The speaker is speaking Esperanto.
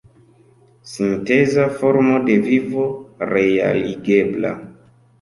Sinteza formo de vivo realigebla!